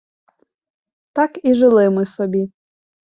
Так і жили ми собі.